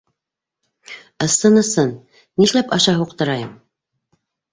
— Ысын, ысын, ни эшләп аша һуҡтырайым.